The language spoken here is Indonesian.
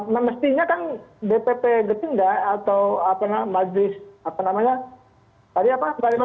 memestinya kan dpp gerindra atau apa namanya majelis apa namanya tadi apa